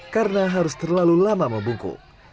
karena harus terlalu lama membungku